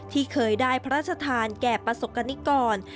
ที่เคยได้พระราชทานแก่ประสบกรณิกร